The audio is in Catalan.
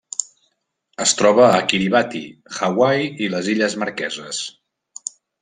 Es troba a Kiribati, Hawaii i les Illes Marqueses.